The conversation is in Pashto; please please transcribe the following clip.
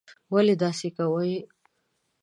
ولي داسې کوې?